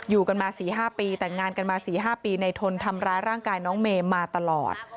อยู่กันมาสี่ห้าปีแต่งงานกันมาสี่ห้าปีนายทนทำร้ายร่างกายน้องเมมาตลอด